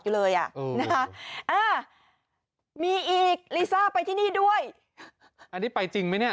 อยู่เลยอ่ะมีอีกลิซ่าไปที่นี่ด้วยอันนี้ไปจริงมั้ยเนี่ย